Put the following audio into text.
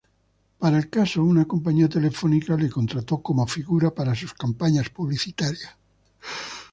Para el caso, una compañía telefónica le contrató como figura para sus campañas publicitarias.